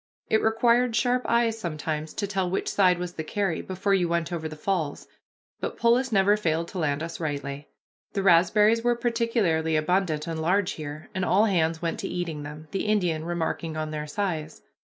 It required sharp eyes sometimes to tell which side was the carry, before you went over the falls, but Polis never failed to land us rightly. The raspberries were particularly abundant and large here, and all hands went to eating them, the Indian remarking on their size.